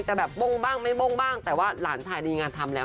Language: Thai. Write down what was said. แต่แบบโบ้งบ้างไม่บ้งบ้างแต่ว่าหลานชายมีงานทำแล้ว